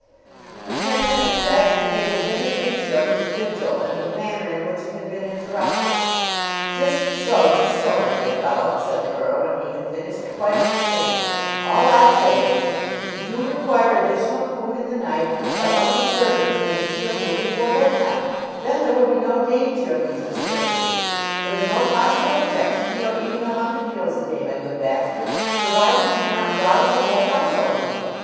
For ten minutes Baxter gave a vivid picture of his vigil and the manner in which it had been interrupted. "Just so; just so, my dear fellow," said the earl when he had finished. "I quite understand. All I say is, if you do require additional food in the night let one of the servants bring it to your room before bedtime; then there will be no danger of these disturbances. There is no possible objection to your eating a hundred meals a day, my good Baxter, provided you do not rouse the whole house over them.